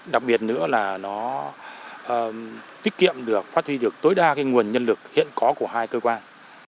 đặc biệt nữa là nó tiết kiệm được phát huy được tối đa nguồn nhân lực hiện có của hai cơ quan